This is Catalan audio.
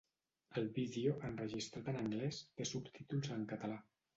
El vídeo, enregistrat en anglès, té subtítols en català.